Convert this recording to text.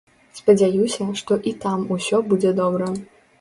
Спадзяюся, што і там усё будзе добра.